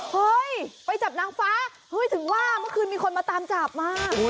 เฮ้ยไปจับนางฟ้าเฮ้ยถึงว่าเมื่อคืนมีคนมาตามจับมา